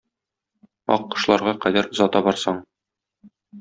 Ак кышларга кадәр озата барсаң